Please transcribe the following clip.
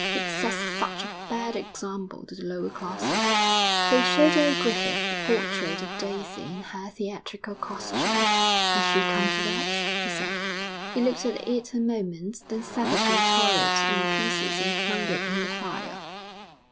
It sets such a bad example to the lower classes.' X They showed old Griffith a portrait of Daisy in her theatrical costume. 'Has she come to that?' he said. He looked at it a moment, then savagely tore it in pieces and flung it in the fire.